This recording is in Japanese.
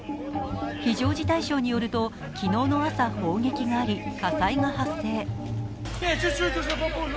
非常事態省によると、昨日の朝砲撃があり、火災が発生。